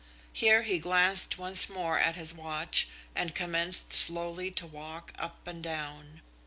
Here he glanced once more at his watch and commenced slowly to walk up and down.